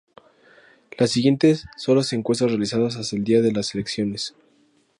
Las siguientes son las encuestas realizadas hasta el día de las elecciones.